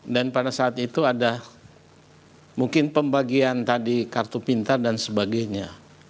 dan pada saat itu ada mungkin pembagian tadi kartu pintar dan sebagainya